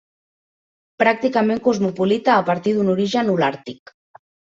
Pràcticament cosmopolita a partir d'un origen holàrtic.